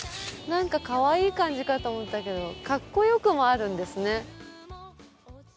なんかかわいい感じかと思ったけどかっこよくもあるんですね。